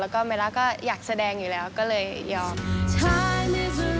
แล้วก็เมล่าก็อยากแสดงอยู่แล้วก็เลยยอม